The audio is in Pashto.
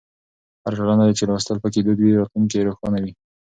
هره ټولنه چې لوستل پکې دود وي، راتلونکی یې روښانه وي.